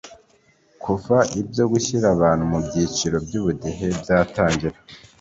Kuva ibyo gushyira abantu mu byiciro by’ubudehe byatangira